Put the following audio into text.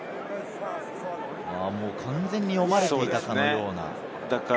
完全に読まれていたかのような。